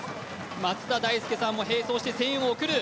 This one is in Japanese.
松田大介さんも並走して声援を送る。